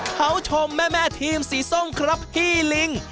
เขาชมแม่ทีมสีส้มครับพี่ลิง